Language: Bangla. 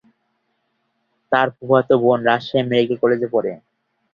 তার ফুফাতো বোন রাজশাহী মেডিকেল কলেজে পড়ে।